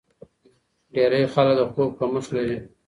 ډېری خلک د خوب کمښت لري.